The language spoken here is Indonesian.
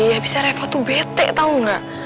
habisnya refah tuh bete tahu nggak